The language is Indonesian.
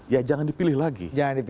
ya jangan dipilih lagi